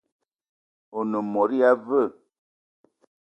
One mot ya veu?